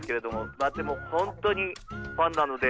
まあでもホントにファンなので。